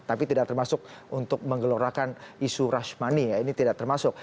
tapi tidak termasuk untuk menggelorakan isu rashmani ya ini tidak termasuk